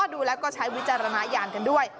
ดูแล้วก็ใช้วิจารณญาณกันด้วย